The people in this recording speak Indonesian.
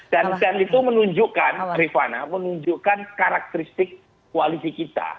dan itu menunjukkan rifana menunjukkan karakteristik koalisi kita